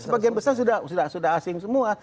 sebagian besar sudah asing semua